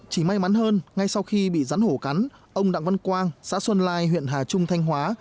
chỉ may mắn hơn ngay sau khi bị rắn hổ cắn ông đặng văn quang xã xuân lai huyện hà trung thanh hóa